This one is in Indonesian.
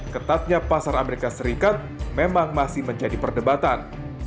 ketatnya pasar amerika serikat memang masih menjadi perdebatan